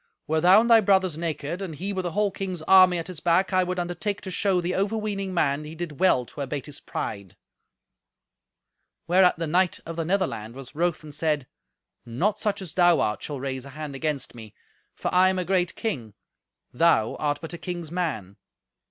Were thou and thy brothers naked, and he with a whole king's army at his back, I would undertake to show the overweening man he did well to abate his pride." Whereat the knight of the Netherland was wroth and said, "Not such as thou art shall raise a hand against me, for I am a great king; thou art but a king's man.